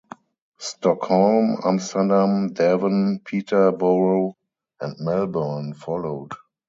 Stockholm, Amsterdam, Devon, Peterborough, and Melbourne followed.